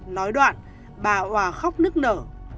nói đoạn bà hoà khóc nức nở